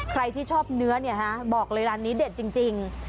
ใครที่ชอบเนื้อเนี่ยฮะบอกเลยร้านนี้เด็ดจริง